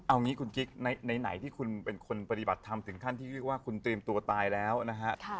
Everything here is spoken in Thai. เอางี้คุณกิ๊กไหนที่คุณเป็นคนปฏิบัติธรรมถึงขั้นที่เรียกว่าคุณเตรียมตัวตายแล้วนะฮะ